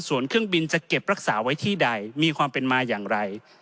ส่วนเครื่องบินจะเก็บรักษาไว้ที่ใดมีความเป็นมาอย่างไร